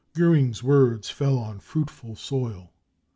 Goering's words fell on fruitful soil.